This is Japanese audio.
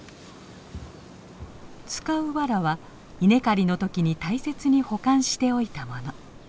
使うわらは稲刈りの時に大切に保管しておいたもの。